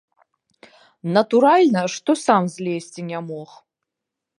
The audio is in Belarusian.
Натуральна, што сам злезці не мог.